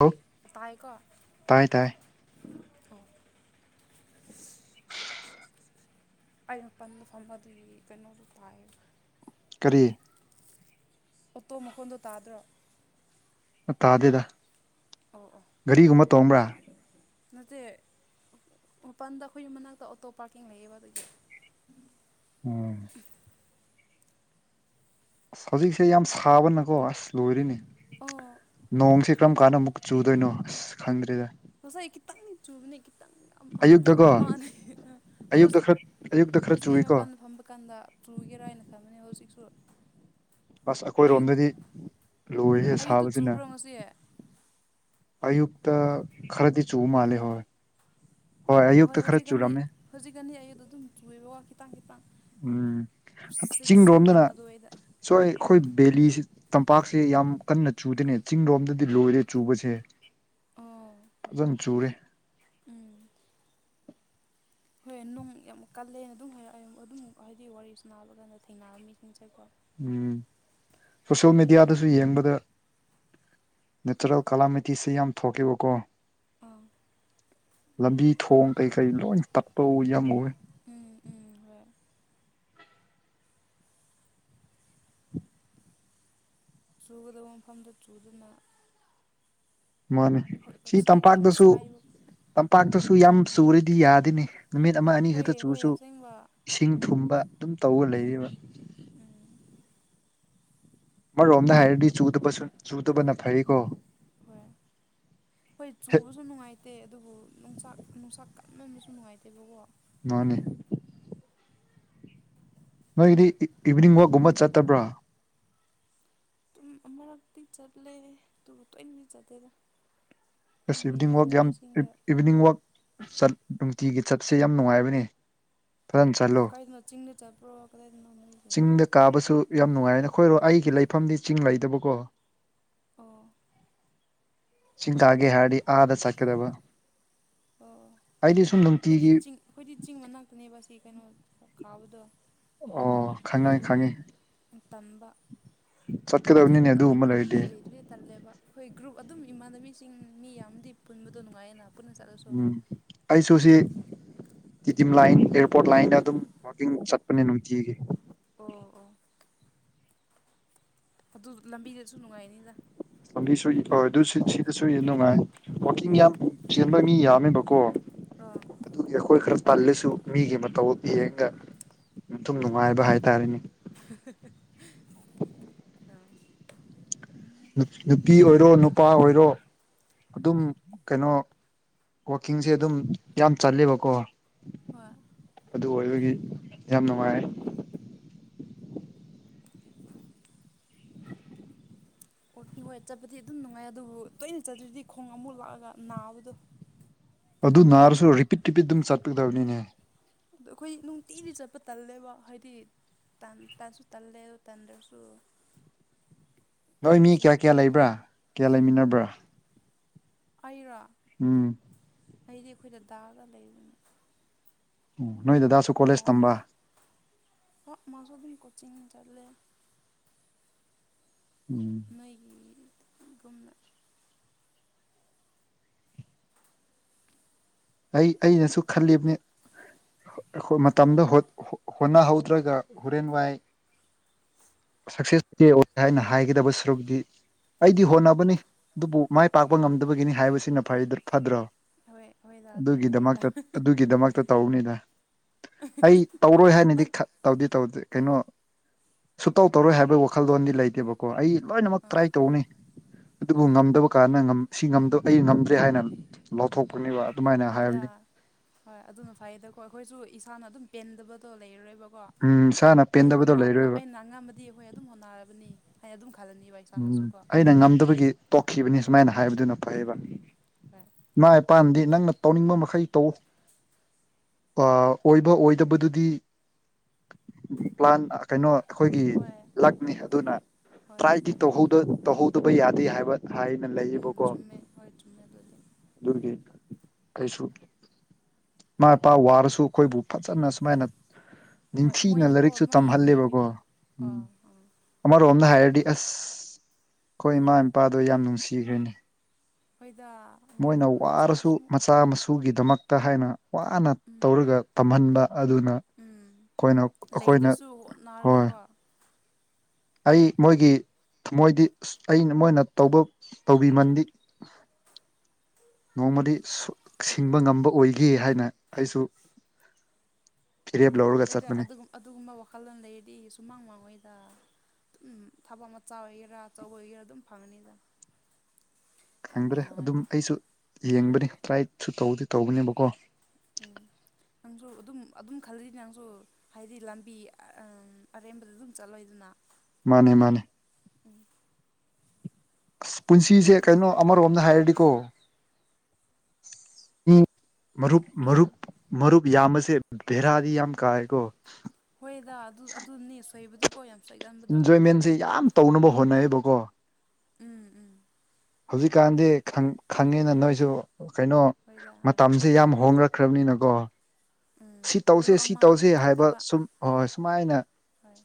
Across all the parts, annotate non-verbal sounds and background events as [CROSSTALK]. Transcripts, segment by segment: ꯑꯣ ꯇꯥꯏꯀꯣ ꯇꯥꯏ ꯇꯥꯏ ꯑꯣ ꯑꯩ ꯃꯥꯄꯥꯟꯗ ꯐꯝꯕ ꯑꯗꯨꯒꯤ ꯀꯩꯅꯣꯗꯣ ꯇꯥꯏꯌꯦꯕ ꯀꯔꯤ ꯑꯣꯇꯣ ꯃꯈꯣꯟꯗꯣ ꯇꯥꯗ꯭ꯔꯣ ꯇꯥꯗꯦꯗ ꯑꯣ ꯑꯣ ꯒꯥꯔꯤꯒꯨꯝꯕ ꯇꯣꯡꯕ꯭ꯔꯥ ꯅꯠꯇꯦ ꯃꯄꯥꯜꯗ ꯑꯩꯈꯣꯏꯒꯤ ꯌꯨꯝ ꯃꯅꯥꯛꯇ ꯑꯣꯇꯣ ꯄꯥꯔꯀꯤꯡ ꯂꯩꯌꯦꯕ ꯑꯗꯨꯒꯤ ꯎꯝ ꯍꯧꯖꯤꯛꯁꯦ ꯌꯥꯝ ꯁꯥꯕꯅꯀꯣ ꯑꯁ ꯂꯣꯏꯔꯦꯅꯦ ꯑꯣ ꯅꯣꯡꯁꯦ ꯀꯔꯝ ꯀꯥꯟꯗ ꯑꯃꯨꯛ ꯆꯨꯗꯣꯏꯅꯣ ꯑꯁ ꯈꯪꯗ꯭ꯔꯦꯗ ꯉꯁꯥꯏ ꯈꯤꯇꯪ ꯆꯨꯕꯅꯤ ꯈꯤꯇꯪꯒ ꯑꯥ ꯗ꯭ꯔꯣꯞ ꯑꯌꯨꯛꯇꯀꯣ ꯑꯃ ꯑꯅꯤ ꯑꯥ ꯑꯌꯨꯛꯇ ꯍꯧꯖꯤꯛ ꯈꯔ ꯑꯌꯨꯛꯇ ꯈꯔ ꯍꯧꯖꯤꯛ ꯑꯩ ꯆꯨꯏꯀꯣ ꯃꯄꯥꯟꯗ ꯐꯝꯕ ꯀꯥꯟꯗ ꯆꯨꯒꯦꯔꯥ ꯍꯥꯏꯅ ꯈꯟꯕꯅꯦ ꯍꯧꯖꯤꯛꯁꯨ ꯑꯁ ꯑꯌꯨꯛ ꯑꯩꯈꯣꯏꯔꯣꯝꯗꯗꯤ ꯂꯣꯏꯍꯦ ꯑꯌꯨꯛꯇ ꯁꯥꯕꯁꯤꯅ ꯆꯨꯕ꯭ꯔꯣ ꯉꯁꯤ ꯑꯌꯨꯛꯇ ꯈꯔꯗꯤ ꯆꯨ ꯃꯥꯜꯂꯦ ꯍꯣꯏ ꯍꯣꯏ ꯑꯌꯨꯛꯇ ꯈꯔ ꯍꯧꯖꯤꯛꯀꯥꯟꯗꯤ ꯆꯨꯔꯝꯃꯦ ꯍꯧꯖꯤꯛꯀꯥꯟꯗꯤ ꯑꯩꯌꯨꯛꯇ ꯑꯗꯨꯝ ꯆꯨꯏꯌꯦꯕꯀꯣ ꯈꯤꯇꯪ ꯈꯤꯇꯪ ꯎꯝ ꯁꯤꯛꯁ ꯁꯚꯦꯟ ꯑꯗꯨꯋꯥꯏꯗ ꯁꯋꯥꯏ ꯑꯩꯈꯣꯏ ꯕꯦꯂꯤꯁꯤ ꯇꯝꯄꯥꯛꯁꯦ ꯌꯥꯝ ꯀꯟꯅ ꯆꯨꯗꯦꯅꯦ ꯆꯤꯡꯔꯣꯝꯗꯗꯤ ꯂꯣꯏꯔꯦ ꯆꯨꯕꯁꯦ ꯑꯣ ꯐꯖꯅ ꯆꯨꯔꯦ ꯎꯝ ꯍꯣꯏ ꯅꯨꯡ ꯌꯥꯝ ꯀꯜꯂꯦꯅ ꯑꯗꯨꯝ ꯍꯥꯏ ꯑꯩ ꯑꯗꯨꯝ ꯍꯥꯏꯗꯤ ꯋꯥꯔꯤꯁꯨ ꯁꯥꯟꯅꯕꯀꯥꯟꯗ ꯊꯦꯡꯅꯕ ꯃꯤꯁꯤꯡꯁꯦꯀꯣ ꯎꯝ ꯁꯣꯁꯦꯜ ꯃꯦꯗꯤꯌꯥꯗꯁꯨ ꯌꯦꯡꯕꯗ ꯅꯦꯆꯔꯦꯜ ꯀꯂꯥꯃꯤꯇꯤꯁꯤ ꯌꯥꯝ ꯊꯣꯛꯀꯦꯕꯀꯣ ꯑꯥ ꯂꯝꯕꯤ ꯊꯣꯡ ꯀꯩ ꯀꯩ ꯂꯣꯏ ꯇꯠꯄ ꯎ ꯌꯥꯝ‌ ꯎꯏ ꯎꯝ ꯎꯝ ꯍꯣꯏ ꯆꯨꯒꯗꯕ ꯃꯐꯝꯗ ꯆꯨꯗꯨꯅ ꯃꯥꯅꯦ ꯁꯤ ꯑꯁꯤꯗꯤ ꯌꯥꯝ ꯇꯝꯄꯥꯛꯇꯁꯨ ꯆꯥꯏꯕ ꯇꯝꯄꯥꯛꯇꯁꯨ ꯌꯥꯝ ꯆꯨꯔꯗꯤ ꯌꯥꯗꯦꯅꯦ ꯅꯨꯃꯤꯠ ꯑꯃ ꯑꯅꯤ ꯍꯣꯏꯌꯦ ꯈꯛꯇ ꯍꯣꯏꯌꯦ ꯆꯨꯔꯁꯨ ꯑꯁꯦꯡꯕ ꯏꯁꯤꯡ ꯎꯝ ꯊꯨꯝꯕ ꯑꯗꯨꯝ ꯇꯧꯔꯒ ꯎꯝ ꯂꯩꯔꯦꯕ ꯎꯝ ꯑꯃꯔꯣꯝꯗ ꯍꯥꯏꯔꯗꯤ ꯆꯨꯗꯕꯁꯨ ꯆꯨꯗꯕꯅ ꯐꯩꯌꯦꯀꯣ ꯍꯣꯏ ꯍꯣꯏ ꯍꯦꯠ ꯆꯨꯕꯁꯨ ꯅꯨꯡꯉꯥꯏꯇꯦ ꯑꯗꯨꯕꯨ ꯅꯨꯡꯆꯥꯛ ꯅꯨꯡꯁꯥ ꯀꯟꯃꯟꯕꯁꯨ ꯅꯨꯡꯉꯥꯏꯇꯦꯕꯀꯣ ꯃꯥꯅꯦ ꯅꯣꯏꯒꯤꯗꯤ ꯏꯚꯤꯅꯤꯡ ꯋꯥꯛꯀꯨꯝꯕ ꯆꯠꯇꯕ꯭ꯔꯥ ꯑꯃꯔꯛꯇꯤ ꯆꯠꯂꯦ ꯑꯗꯨꯒ ꯇꯣꯏꯅꯗꯤ ꯆꯠꯇꯦꯗ ꯑꯗꯨꯝ ꯑꯁ ꯏꯚꯤꯅꯤꯡ ꯋꯥꯛ ꯌꯥꯝ ꯏꯃꯥꯟꯅꯕꯤꯁꯤꯡꯗ ꯏꯚꯤꯅꯤꯡ ꯋꯥꯛ ꯆꯠ ꯅꯨꯡꯇꯤꯒꯤ ꯆꯠꯁꯦ ꯌꯥꯝ ꯅꯨꯡꯉꯥꯏꯕꯅꯦ ꯀꯥꯏꯗꯅꯣ ꯆꯤꯡꯗ ꯆꯠꯄ꯭ꯔꯣ ꯀꯗꯥꯏꯗꯅꯣ ꯅꯣꯏꯒꯤ ꯆꯤꯡꯗ ꯀꯥꯕꯁꯨ ꯌꯥꯝ ꯅꯨꯡꯉꯥꯏꯔꯦꯅ ꯑꯩꯈꯣꯏꯔꯣ ꯑꯩꯒꯤ ꯂꯩꯐꯝꯗꯤ ꯆꯤꯡ ꯂꯩꯗꯕꯀꯣ ꯑꯣ ꯆꯤꯡ ꯀꯥꯒꯦ ꯍꯥꯏꯔꯗꯤ ꯑꯥꯗ ꯆꯠꯀꯗꯕ ꯑꯣ ꯑꯩꯗꯤ ꯁꯨꯝ ꯑꯩꯈꯣꯏꯗꯤ ꯅꯨꯡꯇꯤꯒꯤ ꯆꯤꯡ ꯑꯩꯈꯣꯏꯗꯤ ꯆꯤꯡ ꯃꯅꯥꯛꯇꯅꯦꯕ ꯁꯤ ꯀꯩꯅꯣ ꯀꯥꯕꯗꯣ ꯑꯣ ꯈꯪꯉꯦ ꯑꯗꯨꯒ ꯑꯗꯨꯝ ꯈꯪꯉꯦ ꯇꯟꯕ ꯏꯊꯟ ꯆꯠꯀꯗꯕꯅꯤꯅꯦ ꯑꯗꯨꯒꯨꯝꯕ ꯀꯩꯅꯣ ꯃꯤ ꯂꯩꯔꯗꯤ ꯂꯩꯇ꯭ꯔꯗꯤ ꯇꯜꯂꯦꯕ ꯈꯣꯏ ꯒ꯭ꯔꯨꯞ ꯑꯗꯨꯝ ꯏꯃꯥꯟꯅꯕꯤꯁꯤꯡ ꯃꯤ ꯌꯥꯝꯗꯤ ꯄꯨꯟꯕꯗꯣ ꯅꯨꯡꯉꯥꯏꯌꯦ ꯅ ꯎꯝ ꯑꯩꯁꯨ ꯁꯤ ꯇꯤꯗꯤꯝ ꯂꯥꯏꯟ ꯑꯦꯔꯄꯣꯔꯠ ꯂꯥꯏꯟꯗ ꯑꯗꯨꯝ ꯋꯥꯛꯀꯤꯡ ꯆꯠꯄꯅꯦ ꯅꯨꯡꯇꯤꯒꯤ ꯑꯣ ꯑꯣ ꯑꯗꯨ ꯂꯝꯕꯤꯗꯁꯨ ꯅꯨꯡꯉꯥꯏꯅꯤꯗ ꯂꯝꯕꯤꯁꯨ ꯑꯗꯨ ꯁꯤꯗꯁꯨ ꯌꯥꯝ ꯅꯨꯡꯉꯥꯏ ꯋꯥꯛꯀꯤꯡ ꯎꯝ ꯌꯥꯝ ꯆꯦꯟꯕ ꯃꯤ ꯌꯥꯝꯃꯦꯕꯀꯣ ꯑꯣ ꯑꯗꯨꯒꯤ ꯑꯩꯈꯣꯏ ꯈꯔ ꯇꯜꯂꯁꯨ ꯃꯤꯒꯤ ꯃꯇꯧ ꯌꯦꯡꯉꯒ ꯃꯊꯨꯝ ꯅꯨꯡꯉꯥꯏꯕ ꯍꯥꯏꯇꯥꯔꯦꯅꯦ [INAUDIBLE] ꯑꯥ ꯅꯨ ꯅꯨꯄꯤ ꯑꯣꯏꯔꯣ ꯅꯨꯄꯥ ꯑꯣꯏꯔꯣ ꯑꯗꯨꯝ ꯀꯩꯅꯣ ꯋꯥꯛꯀꯤꯡꯁꯦ ꯑꯗꯨꯝ ꯌꯥꯝ ꯆꯜꯂꯦꯕꯀꯣ ꯍꯣꯏ ꯑꯗꯨ ꯑꯣꯏꯕꯒꯤ ꯌꯥꯝ ꯅꯨꯡꯉꯥꯏꯌꯦ ꯑꯣ ꯍꯣꯏ ꯆꯠꯄꯗꯤ ꯑꯗꯨꯝ ꯅꯨꯡꯉꯥꯏ ꯑꯗꯨꯕꯨ ꯇꯣꯏꯅ ꯆꯠꯇ꯭ꯔꯗꯤ ꯈꯣꯡ ꯑꯃꯨꯛ ꯂꯥꯛꯑꯒ ꯅꯥꯕꯗꯣ [INAUDIBLE] ꯑꯗꯨ ꯅꯥꯔꯁꯨ ꯈꯣꯡꯒꯨꯝꯕ ꯔꯤꯄꯤꯠ ꯔꯤꯄꯤꯠ ꯑꯗꯨꯝ ꯆꯠꯄꯤꯗꯧꯅꯤꯅꯦ ꯑꯗꯣ ꯑꯩꯈꯣꯏ ꯅꯨꯡꯇꯤꯗꯤ ꯆꯠꯄ ꯇꯜꯂꯦꯕ ꯍꯥꯏꯗꯤ ꯇꯟ ꯇꯟꯁꯨ ꯇꯜꯂꯦꯕ ꯇꯟꯗꯁꯨ ꯅꯣꯏ ꯃꯤ ꯀꯌꯥ ꯀꯌꯥ ꯂꯩꯕ꯭ꯔꯥ ꯀꯌꯥ ꯂꯩꯃꯤꯟꯅꯕ꯭ꯔꯥ ꯑꯩꯔꯣ ꯎꯝ ꯑꯩꯗꯤ ꯑꯩꯈꯣꯏ ꯗꯗꯥꯒ ꯂꯩꯕꯅꯤ ꯅꯣꯏ ꯗꯗꯥ ꯁ ꯗꯥꯗꯔ ꯎꯝ ꯃꯥꯁꯨ ꯑꯗꯨꯝ ꯀꯣꯆꯤꯡ ꯆꯠꯂꯦ ꯎꯝ ꯅꯣꯏꯒꯤ ꯒꯨꯝꯅ ꯑꯩ ꯑꯩꯅꯁꯨ ꯈꯜꯂꯤꯕꯅꯦ ꯑꯩꯈꯣꯏ ꯃꯇꯝꯗ ꯍꯣꯠ ꯍꯣꯠꯅꯍꯧꯗ꯭ꯔꯒ ꯍꯣꯔꯦꯟ ꯋꯥꯏ ꯁꯛꯁꯦꯁ ꯀꯦ ꯑꯣꯏ ꯍꯥꯏꯅ ꯍꯥꯏꯒꯗꯕ ꯁꯔꯨꯛꯗꯤ ꯑꯩꯗꯤ ꯍꯣꯠꯅꯕꯅꯤ ꯑꯗꯨꯕꯨ ꯃꯥꯏ ꯄꯥꯛꯄ ꯉꯝꯗꯕꯒꯤꯅꯤ ꯍꯥꯏꯕꯁꯤꯅ ꯐꯩ ꯐꯠꯇ꯭ꯔꯣ ꯍꯣꯏ ꯍꯣꯏꯗ ꯑꯗꯨꯅ ꯐꯩꯗ ꯑꯗꯨꯒꯤꯗꯃꯛꯇ ꯑꯗꯨꯒꯤꯗꯃꯛꯇ ꯇꯧꯅꯤꯗ ꯑꯩ ꯇꯧꯔꯣꯏ ꯍꯥꯏꯅꯗꯤ ꯅꯪ ꯈ ꯇꯧꯗꯤ ꯇꯧꯗꯦ ꯀꯩꯅꯣ ꯁꯨꯇꯧ ꯇꯧꯔꯣꯏ ꯍꯥꯏꯕꯩ ꯋꯥꯈꯜꯂꯣꯟꯗꯤ ꯂꯩꯇꯦꯕꯀꯣ ꯑꯩ ꯂꯣꯏꯅꯃꯛ ꯑꯥ ꯇ꯭ꯔꯥꯏ ꯇꯧꯅꯤ ꯑꯗꯨꯕꯨ ꯎꯝ ꯉꯝꯗꯕ ꯀꯥꯟꯗ ꯉꯝ ꯁꯤ ꯉꯝ ꯑꯩ ꯉꯝꯗ꯭ꯔꯦ ꯍꯥꯏꯅ ꯂꯧꯊꯣꯛꯄꯅꯦꯕ ꯑꯗꯨꯃꯥꯏꯅ ꯍꯣꯏꯗ ꯍꯥꯏꯕꯅꯤ ꯍꯣꯏ ꯑꯗꯨꯅ ꯐꯩꯌꯦꯗꯀꯣ ꯑꯩꯈꯣꯏꯁꯨ ꯏꯁꯥꯅ ꯑꯗꯨꯝ ꯄꯦꯟꯗꯕꯗꯣ ꯂꯩꯔꯔꯣꯏꯕ ꯀꯣ ꯎꯝ ꯏꯁꯥꯅ ꯑꯩ ꯄꯦꯟꯗꯕꯗꯣ ꯍꯣꯠꯅꯕ ꯂꯩꯔꯣꯏꯕ ꯑꯩꯅ ꯑꯉꯝꯃꯗꯤ ꯍꯣꯏ ꯑꯗꯨꯝ ꯍꯣꯠꯅꯔꯕꯅꯤ ꯑꯩ ꯑꯗꯨꯝ ꯈꯜꯂꯅꯤꯕ ꯎꯝ ꯏꯁꯥꯅꯁꯨ ꯀꯣ ꯑꯩꯅ ꯉꯝꯗꯕꯒꯤ ꯇꯣꯛꯈꯤꯕꯅꯤ ꯁꯨꯃꯥꯏꯅ ꯍꯥꯏꯕꯗꯨꯅ ꯐꯩꯌꯦꯕ ꯎꯝ ꯍꯣꯏ ꯏꯃꯥ ꯏꯄꯥꯥꯅꯗꯤ ꯅꯪꯅ ꯇꯧꯅꯤꯡꯕ ꯃꯈꯩ ꯇꯧ ꯑꯥ ꯑꯣꯏꯕ ꯑꯣꯏꯗꯕꯗꯨꯗꯤ ꯄ꯭ꯂꯥꯟ ꯀꯩꯅꯣ ꯑꯩꯈꯣꯏꯒꯤ ꯍꯣꯏ ꯂꯛꯅꯤ ꯑꯗꯨꯅ ꯍꯣꯏ ꯇ꯭ꯔꯥꯏꯗꯤ ꯇꯧꯍꯧꯗ ꯇꯧꯍꯧꯗꯕ ꯌꯥꯗꯦ ꯍꯥꯏꯕ ꯍꯥꯏꯅ ꯎꯝ ꯂꯩꯌꯦꯕꯀꯣ ꯆꯨꯝꯃꯦ ꯍꯣꯏ ꯆꯨꯝꯃꯦ ꯑꯗꯨꯗꯤ ꯑꯗꯨꯒꯤ ꯀꯩꯁꯨ ꯃꯥ ꯄꯥ ꯋꯥꯔꯁꯨ ꯈꯣꯏꯕꯨ ꯐꯖꯅ ꯁꯨꯃꯥꯏꯅ ꯍꯣꯏ ꯅꯤꯡꯊꯤꯅ ꯃꯣꯏꯅꯐꯥꯎ ꯂꯥꯏꯔꯤꯛꯁꯨ ꯑꯗꯨꯃꯥꯏꯅ ꯇꯝꯍꯜꯂꯦꯕꯀꯣ ꯌꯦꯡꯕꯤꯔꯗꯤꯀꯣ ꯎꯝ ꯑꯥ ꯑꯥ ꯑꯃꯔꯣꯝꯗ ꯍꯥꯏꯔꯗꯤ ꯑꯁ ꯈꯣꯏ ꯏꯃꯥ ꯏꯄꯥꯗꯣ ꯌꯥꯝ ꯅꯨꯡꯁꯤꯈ꯭ꯔꯦꯅꯦ ꯍꯣꯏꯗ ꯃꯣꯏ ꯃꯣꯏꯅ ꯋꯥꯔꯁꯨ ꯃꯆꯥꯁꯨ ꯃꯆꯥ ꯃꯁꯨ ꯇꯨꯒꯤꯗꯃꯛꯇ ꯍꯥꯏꯅ ꯋꯥꯅ ꯎꯝ ꯇꯧꯔꯒ ꯇꯝꯍꯟꯕ ꯑꯗꯨꯅ ꯎꯝ ꯑꯩꯈꯣꯏꯅ ꯑꯩꯈꯣꯏꯅ ꯂꯩꯗ꯭ꯔꯁꯨ ꯍꯣꯏ ꯍꯠꯅꯔꯒꯀꯣ ꯑꯩ ꯃꯣꯏꯒꯤ ꯊꯃꯣꯏꯗꯤ ꯑꯁ ꯑꯩꯅ ꯃꯣꯏꯅ ꯇꯧꯕ ꯇꯧꯕꯤꯃꯟꯗꯤ ꯅꯣꯡꯃꯗꯤ ꯁꯨ ꯁꯤꯡꯕ ꯉꯝꯕ ꯑꯣꯏꯒꯦ ꯍꯥꯏꯅ ꯑꯩꯁꯨ [INAUDIBLE] ꯐꯤꯔꯦꯞ ꯂꯧꯔꯒ ꯍꯣꯏꯗ ꯆꯠꯄꯅꯤ ꯑꯗꯨꯒꯨꯝ ꯑꯗꯨꯒꯨꯝꯕ ꯋꯥꯈꯜꯂꯣꯟ ꯂꯩꯔꯗꯤ ꯁꯨꯃꯥꯡ ꯃꯥꯡꯉꯣꯏꯗ ꯇꯨꯝ ꯊꯕꯛ ꯃꯆꯥ ꯑꯣꯏꯒꯦꯔꯥ ꯑꯆꯧꯕ ꯑꯣꯏꯒꯦꯔꯥ ꯑꯗꯨꯝ ꯐꯪꯉꯅꯤꯗ ꯀꯟꯅ ꯈꯪꯗ꯭ꯔꯦ ꯑꯗꯨꯝ ꯍꯣꯠꯅꯔꯗꯤ ꯑꯩꯁꯨ ꯌꯦꯡꯕꯅꯤ ꯇ꯭ꯔꯥꯏꯁꯨ ꯇꯧꯗꯤ ꯇꯧꯕꯅꯦꯕꯀꯣ ꯎꯝ ꯅꯪꯁꯨ ꯑꯗꯨꯝ ꯑꯗꯨꯝ ꯈꯜꯂꯤ ꯅꯪꯁꯨ ꯍꯥꯏꯗꯤ ꯂꯝꯕꯤ ꯑꯥꯝ ꯑꯔꯦꯝꯕꯗ ꯑꯗꯨꯝ ꯆꯠꯂꯣꯏꯗꯅ ꯃꯥꯅꯦ ꯃꯥꯅꯦ ꯎꯝ ꯑꯁ ꯄꯨꯟꯁꯤꯁꯦ ꯐꯖꯅ ꯀꯩꯅꯣ ꯑꯃꯔꯣꯝꯗ ꯍꯥꯏꯔꯗꯤꯀꯣ [INAUDIBLE] ꯃꯤ ꯃꯔꯨꯞ ꯃꯔꯨꯞ ꯃꯔꯨꯞ ꯌꯥꯝꯕꯁꯦ ꯕꯦꯔꯥꯗꯤ ꯌꯥꯝ ꯀꯥꯏꯀꯣ ꯍꯣꯏꯗ ꯑꯗꯨ ꯑꯗꯨꯅꯤ ꯁꯣꯏꯕꯗꯨ ꯀꯣꯏ ꯌꯥꯝ ꯆꯩꯒꯟ ꯏꯟꯖꯣꯏꯃꯦꯟꯖꯦ ꯌꯥꯝ ꯇꯧꯅꯕ ꯍꯣꯠꯅꯩꯌꯦꯕꯀꯣ ꯎꯝ ꯎꯝ ꯍꯧꯖꯤꯛꯀꯥꯟꯗꯤ ꯈꯪ ꯈꯪꯉꯦꯅ ꯅꯣꯏꯖꯨ ꯀꯩꯅꯣ ꯍꯣꯏꯗ ꯑꯥ ꯃꯇꯝ ꯖꯦ ꯌꯥꯝ ꯍꯣꯡꯔꯛꯈ꯭ꯔꯕꯅꯤꯅꯀꯣ ꯎꯝ ꯁꯤ ꯇꯧꯁꯦ ꯃꯔꯨꯞ ꯁꯤ ꯑꯃ ꯇꯧꯁꯦ ꯍꯥꯏꯕ ꯐꯠꯇꯕ ꯁꯨꯝ ꯍꯣꯏ ꯁꯨꯃꯥꯏꯅ ꯍꯣꯏ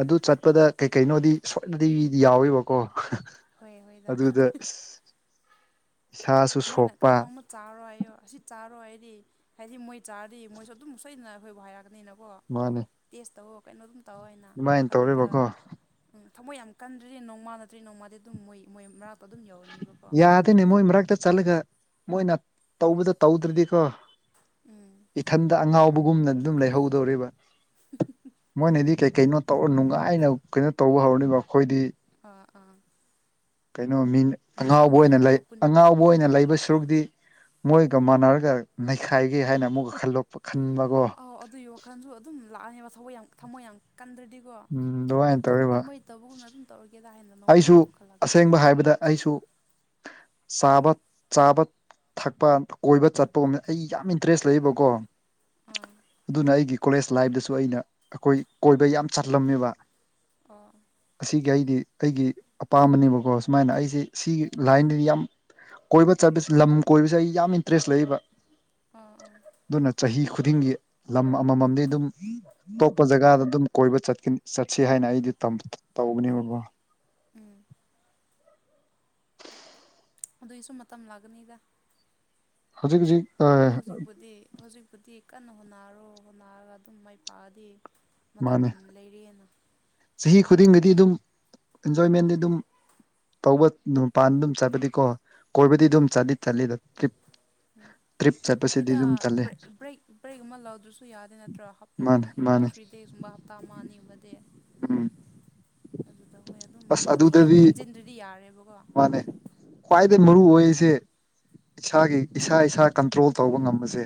ꯑꯗꯨ ꯆꯠꯄꯗ ꯀꯩ ꯀꯩꯅꯣꯗꯤ ꯁꯣꯏꯅꯗꯕꯤꯗꯤ ꯌꯥꯎꯋꯦꯕꯀꯣ ꯍꯣꯏ ꯍꯣꯏꯗ ꯑꯗꯨꯗ ꯑꯁ ꯃꯣꯏꯅ ꯀꯩꯅꯣꯝꯃ ꯆꯥꯔꯣ ꯍꯥꯏꯌꯣ ꯑꯁꯤ ꯆꯥꯔꯣ ꯍꯥꯏꯗꯤ ꯍꯥꯏꯗꯤ ꯃꯣꯏ ꯆꯥꯔꯗꯤ ꯃꯣꯏꯁꯨ ꯑꯗꯨꯝ ꯁꯣꯏꯗꯅ ꯑꯩꯈꯣꯏꯕꯨ ꯍꯥꯏꯔꯛꯀꯅꯤꯅꯀꯣ ꯃꯥꯅꯦ ꯇꯦꯁ ꯇꯧꯋꯣ ꯀꯩꯅꯣ ꯑꯗꯨꯝ ꯇꯧ ꯍꯥꯏꯅ ꯑꯗꯨꯃꯥꯏꯅ ꯑꯗꯨꯗ ꯇꯧꯔꯦꯕꯀꯣ ꯎꯝ ꯊꯃꯣꯏ ꯌꯥꯝ ꯀꯟꯗ꯭ꯔꯗꯤ ꯅꯣꯡꯃꯥ ꯅꯇ꯭ꯔꯤ ꯅꯣꯡꯃꯥꯗꯤ ꯑꯗꯨꯝ ꯃꯣꯏ ꯃꯣꯏ ꯃꯔꯛ ꯌꯥꯗꯦꯅꯦ ꯃꯣꯏ ꯃꯔꯛꯇ ꯆꯠꯂꯒ ꯃꯣꯏꯅ ꯇꯧꯕꯗꯣ ꯇꯧꯗ꯭ꯔꯗꯤꯀꯣ ꯎꯝ ꯏꯊꯟꯗ ꯑꯉꯥꯎꯕꯒꯨꯝꯅ ꯑꯗꯨꯝ ꯂꯩꯍꯧꯗꯧꯔꯤꯕ ꯃꯣꯏꯅꯗꯤ ꯀꯩ ꯍꯣꯏ ꯀꯩꯅꯣ ꯇꯧꯔ ꯅꯨꯡꯉꯥꯏꯅ ꯀꯩꯅꯣ ꯇꯧꯕ ꯍꯧꯔꯅꯦꯕ ꯑꯩꯈꯣꯏꯗꯤ ꯑꯥ ꯑꯥ ꯀꯩꯅꯣ ꯃꯤꯅ ꯑꯉꯥꯎꯕ ꯑꯣꯏꯅ ꯏꯟꯖꯣꯏꯃꯦꯟꯒꯤꯀꯣ ꯂꯩ ꯄꯨꯟ ꯑꯉꯥꯎꯕ ꯑꯣꯏꯅ ꯂꯩꯕ ꯁꯔꯨꯕꯨꯗꯤ ꯃꯣꯏꯒ ꯃꯥꯟꯅꯔꯒ ꯅꯩꯈꯥꯏꯒꯦ ꯍꯥꯏꯅ ꯑꯃꯨꯛꯀ ꯈꯟꯂꯣꯛꯄ ꯈꯟꯕꯒꯣ ꯑ ꯑꯗꯨꯏ ꯋꯥꯈꯜꯁꯨ ꯑꯗꯨꯝ ꯂꯥꯛꯑꯅꯦꯕ ꯊꯃꯣꯏ ꯌꯥꯝ ꯊꯃꯣꯏ ꯌꯥꯝ ꯀꯟꯗ꯭ꯔꯗꯤ ꯎꯝ ꯑꯗꯨꯃꯥꯏ ꯇꯧꯔꯤꯕ ꯇꯧꯕꯒꯨꯝꯅ ꯑꯗꯨꯝ ꯇꯧꯔꯒꯦꯗ ꯍꯥꯏꯅ ꯅꯣꯡꯃꯗꯤ ꯑꯗꯨꯝ ꯈꯜꯂꯛꯒꯅꯤ ꯑꯁꯦꯡꯕ ꯍꯥꯏꯕꯗ ꯑꯩꯁꯨ ꯆꯥꯕ ꯆꯥꯕ ꯊꯛꯄ ꯀꯣꯏꯕ ꯆꯠꯄꯒꯨꯝꯕꯗ ꯑꯩ ꯌꯥꯝ ꯏꯟꯇꯔꯦꯁ ꯂꯩꯌꯦꯕꯀꯣ ꯑ ꯑꯗꯨꯅ ꯑꯩꯒꯤ ꯀꯣꯂꯦꯖ ꯂꯥꯏꯐꯇꯁꯨ ꯑꯩꯅ ꯑꯩꯈꯣꯏ ꯀꯣꯏꯕ ꯌꯥꯝ ꯆꯠꯂꯝꯃꯦꯕ ꯑꯣ ꯑꯁꯤꯒꯤ ꯑꯩꯗꯤ ꯑꯩꯒꯤ ꯑꯄꯥꯝꯕꯅꯦꯕꯀꯣ ꯁꯨꯃꯥꯏꯅ ꯑꯩꯁꯤ ꯁꯤꯒꯤ ꯂꯥꯏꯟꯗ ꯌꯥꯝ ꯀꯣꯏꯕ ꯆꯠꯄꯁ ꯂꯝ ꯀꯣꯏꯕꯁꯤ ꯑꯩ ꯌꯥꯝ ꯏꯟꯇꯔꯦꯁ ꯂꯩꯕ ꯑꯥ ꯑꯥ ꯑꯗꯨꯅ ꯆꯍꯤ ꯈꯨꯗꯤꯡꯒꯤ ꯂꯝ ꯑꯃꯃꯝꯗꯤ ꯑꯗꯨꯝ ꯑꯇꯣꯞꯄ ꯖꯒꯥꯗ ꯑꯗꯨꯝ ꯀꯣꯏꯕ ꯆꯠꯀꯅꯤ ꯆꯠꯁꯤ ꯍꯥꯏꯅ ꯑꯩꯗꯤ ꯇꯝ ꯇꯧꯕꯅꯦꯕꯕꯣ ꯎꯝ ꯑꯗꯨꯏꯁꯨ ꯃꯇꯝ ꯂꯥꯛꯀꯅꯤꯗ ꯍꯧꯖꯤꯛ ꯍꯧꯖꯤꯛ ꯍꯧꯖꯤꯛꯄꯨꯗꯤ ꯍꯧꯖꯤꯛꯄꯨꯗꯤ ꯀꯟꯅ ꯍꯣꯟꯅꯔꯣ ꯍꯣꯟꯅꯔꯒ ꯑꯗꯨꯝ ꯃꯥꯏ ꯄꯥꯛꯑꯗꯤ ꯃꯇꯝ ꯃꯥꯅꯦ ꯌꯥꯝ ꯂꯩꯔꯤꯑꯦꯅ ꯆꯍꯤ ꯈꯨꯗꯤꯡꯒꯤꯗꯤ ꯑꯗꯨꯝ ꯑꯦꯟꯖꯣꯏꯃꯦꯟꯗꯤ ꯑꯗꯨꯝ ꯇꯧꯕ ꯃꯄꯥꯟ ꯑꯗꯨꯝ ꯆꯠꯄꯗꯤꯀꯣ ꯀꯣꯏꯕꯗꯤ ꯎꯝ ꯑꯗꯨꯝ ꯆꯠꯂꯤ ꯆꯠꯂꯤꯗ ꯎꯝ ꯇ꯭ꯔꯤꯞ ꯆꯠꯄꯁꯤꯗꯤ ꯑꯩꯈꯣꯏꯗ ꯑꯗꯨꯝ ꯆꯠꯂꯦ ꯕ꯭ꯔꯦꯛ ꯕ꯭ꯔꯦꯛ ꯕ꯭ꯔꯦꯛ ꯑꯃ ꯂꯧꯗ꯭ꯔꯁꯨ ꯌꯥꯗꯦ ꯅꯠꯇ꯭ꯔꯣ ꯍꯥꯞ ꯃꯥꯅꯦ ꯇꯨ ꯃꯥꯅꯦ ꯊ꯭ꯔꯤ ꯗꯦꯁꯀꯨꯝꯕ ꯍꯥꯞ ꯑꯥ ꯃꯥꯟꯅꯤꯡꯕꯗꯤ ꯎꯝ ꯑꯗꯨꯗ ꯍꯣꯏ ꯑꯗꯨꯝ ꯑꯁ ꯍꯥꯏꯗꯤ ꯍꯦꯟ ꯍꯦꯟ ꯑꯗꯨꯗꯗꯤ ꯍꯦꯟꯖꯤꯟꯗ꯭ꯔꯤ ꯗꯤ ꯌꯥꯔꯦꯕꯣꯒꯣ ꯃꯥꯅꯦ ꯈ꯭ꯋꯥꯏꯗꯒꯤ ꯃꯔꯨ ꯑꯣꯏꯁꯦ ꯏꯁꯥꯒꯤ ꯏꯁꯥ ꯏꯁꯥ ꯀꯟꯇ꯭ꯔꯣꯜ ꯇꯧꯕ ꯉꯝꯕꯁꯦ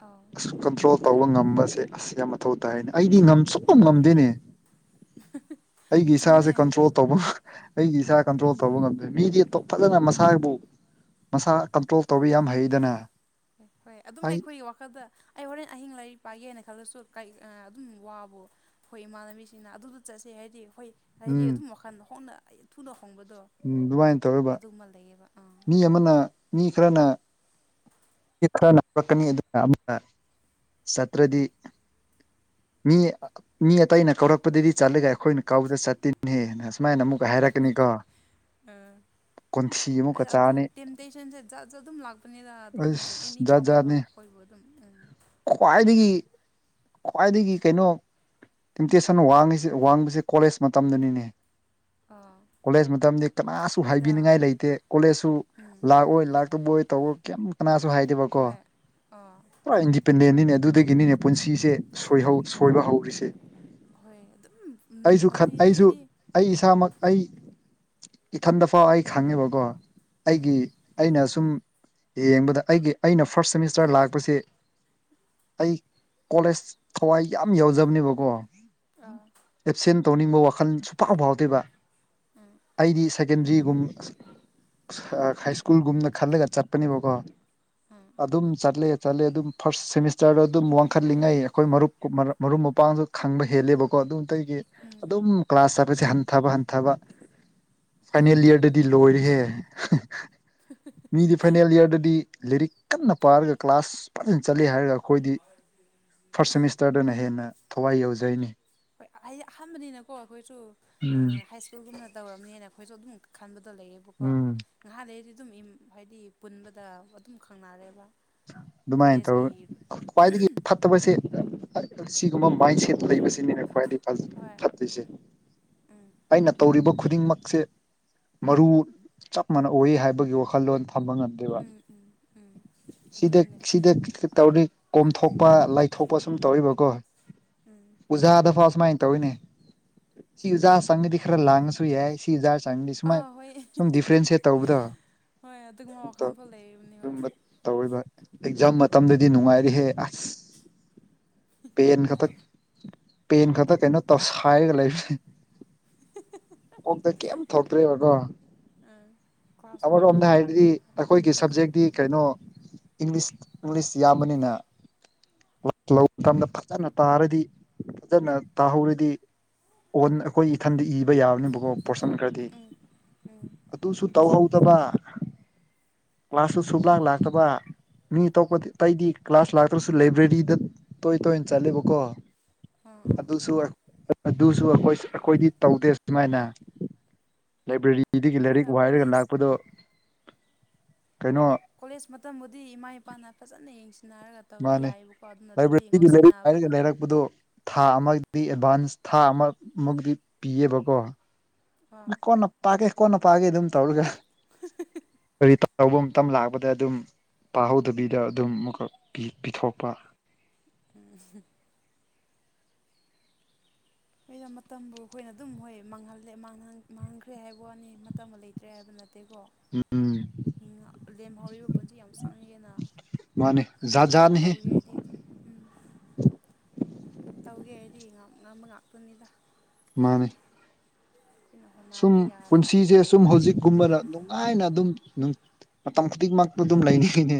ꯑꯥꯎ ꯑꯁ ꯀꯟꯇ꯭ꯔꯣꯜ ꯑꯗꯨ ꯇꯧꯕ ꯉꯝꯕꯁꯦ ꯑꯁ ꯌꯥꯝ ꯃꯊꯧ ꯇꯥꯏꯅꯦ ꯑꯩꯗꯤ ꯉꯥꯝ ꯁꯛꯄ ꯎꯝ ꯉꯝꯗꯦꯅꯦ ꯑꯩꯒꯤ ꯏꯁꯥꯁꯦ ꯆꯨꯝꯃꯦ ꯀꯟꯇ꯭ꯔꯣꯜ ꯇꯧꯕꯥ ꯑꯩꯒꯤ ꯏꯁꯥ ꯀꯟꯇ꯭ꯔꯣꯜ ꯇꯧꯕ ꯉꯝꯗꯦ ꯃꯤꯗꯤ ꯐꯖꯅ ꯃꯁꯥꯕꯨ ꯃꯁꯥ ꯀꯟꯇ꯭ꯔꯣꯜ ꯇꯧꯕ ꯌꯥꯝ ꯍꯩꯗꯅ ꯍ ꯍꯣꯏ ꯑꯗꯨꯝ ꯑꯩ ꯑꯩꯈꯣꯏꯒꯤ ꯋꯥꯈꯜꯗ ꯑꯩ ꯍꯣꯔꯦꯟ ꯑꯍꯤꯡ ꯂꯥꯏꯔꯤꯛ ꯄꯥꯏꯒꯦꯅ ꯈꯜꯂꯁꯨ ꯀꯩ ꯑꯗꯨꯝ ꯋꯥꯕꯨ ꯑꯩꯈꯣꯏ ꯏꯃꯥꯟꯅꯕꯤꯁꯤꯡꯅ ꯑꯗꯨꯗ ꯆꯠꯁꯦ ꯍꯥꯏꯗꯤ ꯈꯣꯏ ꯍꯥꯏꯗꯤ ꯎꯝ ꯑꯗꯨꯝ ꯃꯈꯜꯗ ꯍꯣꯡꯅ ꯑꯩ ꯊꯨꯅ ꯍꯣꯡꯕꯗꯣ ꯎꯝ ꯑꯗꯨꯃꯥꯏꯅ ꯇꯧꯋꯦꯕ ꯑꯗꯨꯃ ꯂꯩꯌꯦꯕ ꯑꯥ ꯃꯤ ꯑꯃꯅ ꯃꯤ ꯈꯔꯅ ꯃꯤ ꯈꯔꯅꯥ ꯍꯛꯄꯥꯛꯀꯅꯤ ꯑꯗꯨꯅ ꯑꯃꯨꯛꯅ ꯆꯠꯇ꯭ꯔꯗꯤ ꯃꯤ ꯃꯤ ꯑꯇꯩꯅ ꯀꯧꯔꯛꯄꯗꯗꯤ ꯆꯠꯂꯒ ꯑꯩꯈꯣꯏꯅ ꯀꯥꯎꯗ ꯆꯠꯇꯅꯦꯍꯦꯅ ꯑꯁꯨꯃꯥꯏꯅ ꯑꯃꯨꯛ [UNINTELLIGIBLE] ꯑꯥ ꯀꯟꯊꯤ ꯑꯃ ꯑꯩꯗꯣ ꯑꯗꯨ ꯇꯦꯝꯇꯦꯁꯟꯁꯦ ꯖꯠ ꯖ ꯑꯗꯨꯝ ꯂꯥꯛꯄꯅꯤꯅ ꯑꯗꯨꯝ ꯏꯟ ꯑꯦꯅꯤ ꯑꯁ ꯖꯥꯠ ꯐꯣꯔꯝꯒ ꯖꯥꯠꯅꯤ ꯑꯩꯈꯣꯏꯕꯨ ꯑꯗꯨꯝ ꯎꯝ ꯈ꯭ꯋꯥꯏꯗꯒꯤ ꯈ꯭ꯋꯥꯏꯗꯒꯤ ꯀꯩꯅꯣ ꯏꯝꯇꯦꯁꯟ ꯋꯥꯡꯉꯁꯤ ꯋꯥꯡꯕꯕꯁꯤ ꯀꯣꯂꯦꯖ ꯃꯇꯝꯗꯅꯤꯅꯦ ꯑꯥ ꯀꯣꯂꯦꯖ ꯃꯇꯝꯗꯤ ꯀꯅꯥꯁꯨ ꯍꯣꯏꯗ ꯍꯥꯏꯕꯤꯅꯤꯡꯉꯥꯏ ꯂꯩꯇꯦ ꯀꯣꯂꯦꯖꯁꯨ ꯎꯝ ꯂꯥꯛꯑꯣꯏ ꯂꯥꯛꯇꯕꯣꯏ ꯇꯧꯕ ꯀꯩ ꯀꯅꯥꯁꯨ ꯍꯥꯏꯗꯦꯕꯀꯣ ꯍꯣꯏ ꯑꯥ ꯄꯨꯔꯥ ꯏꯟꯗꯤꯄꯦꯟꯗꯦꯟꯅꯤꯅꯦ ꯑꯗꯨꯗꯒꯤꯅꯤꯅꯦ ꯄꯨꯟꯁꯤꯁꯦ ꯁꯣꯏꯍꯧ ꯁꯣꯏꯕ ꯍꯧꯔꯤꯁꯦ ꯍꯣꯏ ꯑꯗꯨꯝ ꯑꯩꯁꯨ ꯈꯟ ꯑꯩꯁꯨ [UNINTELLIGIBLE] ꯑꯩ ꯏꯁꯥꯃꯛ ꯑꯩ ꯏꯊꯟꯗ ꯐꯥꯎ ꯑꯩ ꯈꯪꯉꯦꯕꯀꯣ ꯎꯝ ꯑꯩꯒꯤ ꯑꯩꯅ ꯁꯨꯝ ꯌꯦꯡꯕꯗ ꯑꯩꯒꯤ ꯑꯩꯅ ꯐꯥꯔꯁꯠ ꯁꯦꯃꯤꯁꯇꯔ ꯂꯥꯛꯄꯁꯦ ꯑꯩ ꯀꯣꯂꯦꯖ ꯊꯋꯥꯏ ꯌꯥꯝ ꯌꯥꯎꯖꯕꯅꯦꯕꯀꯣ ꯑꯥ ꯑꯦꯞꯁꯦꯟ ꯇꯧꯅꯤꯡꯕ ꯋꯥꯈꯜ ꯁꯨꯡꯐꯥꯎ ꯐꯥꯎꯗꯦꯕ ꯎꯝ ꯑꯩꯗꯤ ꯁꯦꯀꯦꯟꯗ꯭ꯔꯤꯒꯨꯝ ꯍꯥꯏ ꯁ꯭ꯀꯨꯜꯒꯨꯝꯅ ꯈꯜꯂꯒ ꯆꯠꯄꯅꯦꯕꯀꯣ ꯎꯝ ꯑꯗꯨꯝ ꯆꯠꯂꯦ ꯆꯠꯂꯦ ꯑꯗꯨꯝ ꯐꯥꯔꯁ ꯁꯦꯃꯤꯁꯇꯔꯗ ꯑꯗꯨꯝ ꯋꯥꯡꯈꯠꯂꯤꯉꯩ ꯑꯩꯈꯣꯏ ꯃꯔꯨꯞ ꯃꯔꯨꯞ ꯃꯄꯥꯡꯁꯨ ꯈꯪꯕ ꯍꯦꯜꯂꯦꯕꯀꯣ ꯑꯗꯨꯗꯒꯤ ꯎꯝ ꯎꯝ ꯑꯗꯨꯝ ꯀ꯭ꯂꯥꯁ ꯆꯠꯄꯁꯦ ꯍꯟꯊꯕ ꯍꯟꯊꯕ ꯐꯥꯏꯅꯦꯜ ꯏꯌꯔꯗꯗꯤ ꯂꯣꯏꯔꯦꯍꯦ ꯃꯤꯗꯤ ꯐꯥꯏꯅꯦꯜ ꯏꯌꯔꯗꯗꯤ ꯂꯤꯔꯤꯛ ꯀꯟꯅ ꯄꯥꯔꯒ ꯀ꯭ꯂꯥꯁ ꯐꯖꯅ ꯆꯠꯂꯤ ꯍꯥꯏꯔꯒ ꯑꯩꯈꯣꯏꯗꯤ ꯐꯥꯔꯁ ꯁꯦꯃꯤꯁꯇꯔꯗꯅ ꯍꯦꯟꯅ ꯊꯋꯥꯏ ꯌꯥꯎꯖꯩꯅꯦ ꯍꯣꯏ ꯑꯩ ꯑꯍꯥꯟꯕꯅꯤꯅꯀꯣ ꯑꯩꯈꯣꯏꯁꯨ ꯑ ꯎꯝ ꯍꯥꯏꯁ ꯁ꯭ꯀꯨꯜꯒꯨꯝꯅ ꯇꯧꯔꯝꯅꯦꯅ ꯑꯩꯈꯣꯏꯁꯨ ꯑꯗꯨꯝ ꯈꯟꯕꯗꯣ ꯂꯩꯌꯦꯕꯀꯣ ꯎꯝ ꯉꯥꯏꯍꯥꯛ ꯂꯩꯔꯗꯤ ꯑꯗꯨꯝ ꯌꯨꯝ ꯍꯥꯏꯗꯤ ꯄꯨꯟꯕꯗ ꯑꯗꯨꯝ ꯈꯪꯅꯔꯦꯕ ꯑꯗꯨꯃꯥꯏꯅ ꯀꯣꯂꯦꯖꯀꯤ ꯇꯧꯋꯤ ꯈ꯭ꯋꯥꯏꯗꯒꯤ ꯐꯠꯇꯕꯁꯦ ꯑꯁꯤꯒꯨꯝꯕ ꯃꯥꯏꯟ ꯁꯦꯠ ꯂꯩꯕꯁꯤꯅꯤꯅ ꯈ꯭ꯋꯥꯏꯗꯩ ꯍꯣꯏ ꯐꯠꯇ꯭ꯔꯤꯁꯦ ꯎꯝ ꯑꯩꯅ ꯇꯧꯔꯤꯕ ꯈꯨꯗꯤꯡꯃꯛꯁꯦ ꯃꯔꯨ ꯆꯞ ꯃꯥꯟꯅ ꯑꯣꯏ ꯍꯥꯏꯕꯒꯤ ꯋꯥꯈꯜꯂꯣꯟ ꯊꯝꯕ ꯉꯝꯗꯦꯕ ꯎꯝ ꯎꯝ ꯁꯤꯗ ꯑꯗꯨꯅꯦ ꯁꯤꯗ ꯇꯧꯔꯤ ꯀꯣꯝꯊꯣꯛꯄ ꯂꯥꯏꯊꯣꯛꯄ ꯁꯨꯝ ꯇꯧꯔꯤꯕꯀꯣ ꯎꯝ ꯑꯣꯖꯥꯗ ꯐꯥꯎ ꯁꯨꯃꯥꯏ ꯇꯧꯋꯤꯅꯦ ꯁꯤ ꯑꯣꯖꯥ ꯆꯪꯂꯗꯤ ꯈꯔ ꯂꯥꯡꯉꯁꯨ ꯌꯥꯏ ꯁꯤ ꯑꯣꯖꯥ ꯆꯪꯉꯗꯤ ꯁꯨꯃꯥꯏ ꯑꯥ ꯍꯣꯏ ꯁꯨꯝ ꯗꯤꯐ꯭ꯔꯦꯟꯁꯦꯠ ꯇꯧꯕꯗꯣ ꯍꯣꯏ ꯑꯗꯨꯒꯨꯝꯕ ꯋꯥꯈꯜꯐꯥꯎ ꯂꯩꯔꯤꯕꯅꯤ ꯍꯣꯏ [UNINTELLIGIBLE] ꯇꯧꯔꯣꯏꯕ ꯑꯦꯛꯖꯥꯝ ꯎꯝ ꯃꯇꯝꯗꯗꯤ ꯅꯨꯡꯉꯥꯏꯔꯤꯍꯦ ꯑꯁ ꯄꯦꯟ ꯈꯛꯇ ꯄꯦꯟ ꯈꯛꯇ ꯀꯩꯅꯣ ꯇꯧ ꯁꯥꯏꯔꯒ ꯂꯩꯕꯁꯤ ꯑꯣꯛꯇ ꯀꯩꯝ ꯊꯣꯛꯇ꯭ꯔꯦꯕꯀꯣ ꯎꯝ ꯀ꯭ꯂꯥꯁꯁꯨ ꯐꯖꯅ ꯑꯃꯔꯣꯝꯗ ꯍꯥꯏꯔꯗꯤ ꯌꯥꯎꯗꯕꯤꯀꯣ ꯑꯩꯈꯣꯏꯒꯤ ꯀꯣꯂꯦꯖ ꯁꯕꯖꯦꯛꯇꯤ ꯀꯩꯅꯣ ꯏꯪꯂꯤꯁ ꯏꯪꯂꯤꯁ ꯌꯥꯝꯕꯅꯤꯅ [UNINTELLIGIBLE] ꯃꯇꯝꯗ ꯐꯖꯅ ꯇꯥꯔꯗꯤ ꯐꯖꯅ ꯇꯥꯍꯧꯔꯗꯤ ꯑꯣꯟ ꯑꯩꯈꯣꯏ ꯏꯊꯟꯇꯥ ꯏꯕ ꯌꯥꯕꯅꯦꯕꯀꯣ ꯄꯣꯔꯁꯟ ꯈꯔꯗꯤ ꯎꯝ ꯎꯝ ꯑꯗꯨꯁꯨ ꯇꯧꯍꯧꯗꯕ ꯀ꯭ꯂꯥꯁꯁꯨ ꯁꯨꯡꯂꯥꯛ ꯂꯥꯛꯇꯕ ꯃꯤ ꯑꯇꯣꯞꯄꯗꯤ ꯑꯩꯗꯤ ꯀ꯭ꯂꯥꯁ ꯂꯥꯛꯇ꯭ꯔꯁꯨ ꯂꯥꯏꯕ꯭ꯔꯦꯔꯤꯗ ꯇꯣꯏ ꯇꯣꯏꯟ ꯆꯠꯂꯦꯕꯀꯣ ꯑꯥ ꯑꯥ ꯑꯗꯨꯁꯨ ꯑꯗꯨꯁꯨ ꯑꯩꯈꯣꯏ ꯑꯩꯈꯣꯏꯗꯤ ꯇꯧꯗꯦ ꯑꯁꯨꯃꯥꯏꯅ ꯂꯥꯏꯕ꯭ꯔꯦꯔꯤ [UNINTELLIGIBLE] ꯂꯥꯏꯔꯤꯛ ꯍꯣꯏꯗ ꯋꯥꯏꯔꯒ ꯀꯣꯂꯦꯖ ꯂꯥꯛꯄꯗꯣ ꯀꯩꯅꯣ ꯀꯣꯂꯦꯖ ꯃꯇꯝꯕꯨꯗꯤ ꯏꯃꯥ ꯏꯄꯥꯅ ꯐꯖꯅ ꯌꯦꯡꯁꯤꯟꯅꯔꯒ ꯇꯧꯔꯗꯤ ꯃꯥꯅꯦ ꯌꯥꯏꯑꯕꯀꯣ ꯑꯗꯨ ꯅꯠꯇ꯭ꯔꯗꯤ ꯂꯥꯏꯕ꯭ꯔꯤꯗ ꯂꯥꯏꯔꯤꯛ ꯄꯥꯔꯒ ꯉꯧꯁꯤꯟꯅꯕꯗꯣ ꯂꯩꯔꯛꯄꯗꯨ ꯊꯥ ꯑꯃꯒꯤ ꯑꯦꯗꯚꯥꯟꯁ ꯊꯥ ꯑꯃꯃꯨꯛꯇꯤ ꯄꯤꯌꯦꯕꯀꯣ ꯑꯥ ꯀꯣꯟꯅ ꯄꯥꯒꯦ ꯀꯣꯟꯅ ꯄꯥꯒꯦ ꯑꯗꯨꯝ ꯇꯧꯔꯒ ꯀꯔꯤꯇꯧ ꯂꯧꯕ ꯃꯇꯝ ꯂꯥꯛꯄꯗ ꯑꯗꯨꯝ ꯄꯥꯍꯧꯗꯕꯤꯗ ꯑꯗꯨꯝ ꯑꯃꯨꯛꯈꯛ ꯄꯤ ꯄꯤꯊꯣꯛꯄ [UNINTELLIGIBLE] ꯑꯩꯅ ꯃꯇꯝꯕꯨ ꯑꯩꯈꯣꯏꯅ ꯑꯗꯨꯝ ꯍꯣꯏ ꯃꯥꯡꯍꯜꯂꯦ ꯃꯥꯡꯍꯟ ꯃꯥꯡꯍꯟꯈ꯭ꯔꯦ ꯍꯥꯏꯕ ꯋꯥꯅꯤ ꯃꯇꯝꯒ ꯂꯩꯇ꯭ꯔꯦ ꯍꯥꯏꯕ ꯅꯠꯇꯦꯀꯣ ꯎꯝ ꯂꯦꯝꯍꯧꯔꯤꯕ ꯄꯨꯟꯁꯤ ꯌꯥꯝ [UNINTELLIGIBLE] ꯃꯥꯅꯤ ꯖꯥꯠ ꯑꯩꯈꯣꯏꯅ ꯖꯥꯠꯅꯤꯍꯦ ꯇꯧꯒꯦꯗꯤ ꯑꯗꯨꯝ ꯎꯝ ꯇꯧꯒꯦ ꯍꯥꯏꯗꯤ ꯉꯝ ꯉꯝꯕ ꯉꯥꯛꯇꯅꯤꯗ ꯃꯥꯅꯤ ꯑꯩꯈꯣꯏꯅ ꯁꯨꯝ ꯍꯣꯠꯅꯔꯗꯤ ꯌꯥꯔꯦ ꯄꯨꯟꯁꯤꯖꯦ ꯁꯨꯝ ꯍꯧꯖꯤꯛꯀꯨꯝꯕꯅ ꯅꯨꯡꯉꯥꯏꯅ ꯑꯗꯨꯝ ꯃꯇꯝ ꯈꯨꯗꯤꯡꯃꯛꯇꯨ ꯑꯗꯨꯝ ꯂꯩꯅꯤꯡꯉꯤꯅꯦ